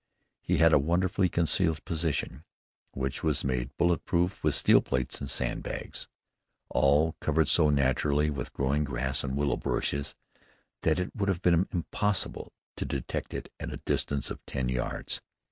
He had a wonderfully concealed position, which was made bullet proof with steel plates and sandbags, all covered so naturally with growing grass and willow bushes that it would have been impossible to detect it at a distance of ten yards.